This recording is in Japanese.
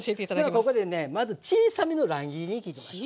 ではここでねまず小さめの乱切りに切りましょう。